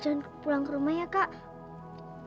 jangan pulang ke rumah ya kak